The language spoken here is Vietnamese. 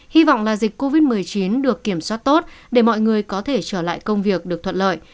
hy vọng là dịch covid một mươi chín được kiểm soát tốt để mọi người có thể trở lại công việc được thuận lợi